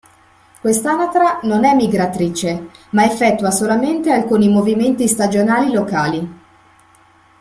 Quest'anatra non è migratrice, ma effettua solamente alcuni movimenti stagionali locali.